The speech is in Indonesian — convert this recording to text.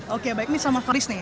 oke baik ini sama faris nih